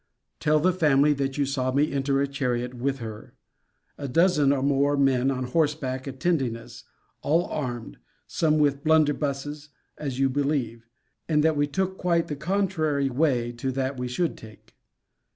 Tell the family that you saw me enter a chariot with her: a dozen, or more, men on horseback, attending us; all armed; some with blunderbusses, as you believe; and that we took quite the contrary way to that we should take.